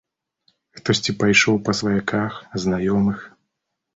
Хтосьці пайшоў па сваяках, знаёмых.